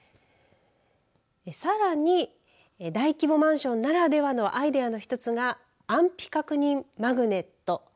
さらに、大規模マンションならではのアイデアの１つが安否確認マグネット。